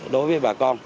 đối với bà con